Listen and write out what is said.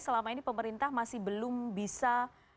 selama ini pemerintah masih belum bisa